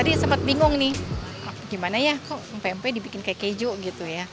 tadi sempat bingung nih gimana ya kok pempek dibikin kayak keju gitu ya